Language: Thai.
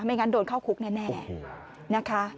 งั้นโดนเข้าคุกแน่นะคะ